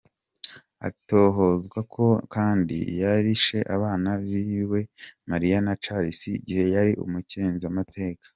Atohozwako kandi ko yarishe abana biwe Marie na Charles igihe yari umukenguzamateka.